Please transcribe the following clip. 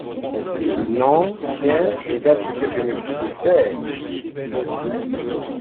Non, tiens regarde ce que je me suis offert!